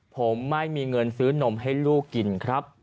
ผมไม่มีเงินซื้อนมให้ลูกกินครับ